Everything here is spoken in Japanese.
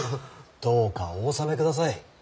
どうかお納めください。